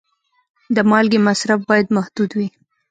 د مالګې مصرف باید محدود وي.